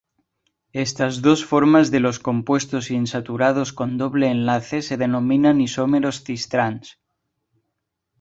Estas dos formas de los compuestos insaturados con doble enlace se denominan isómeros cis-trans.